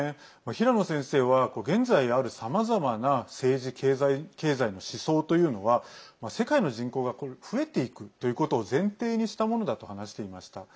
平野先生は、現在あるさまざまな政治、経済の思想というのは世界の人口が増えていくということを前提にしたものだと話していました。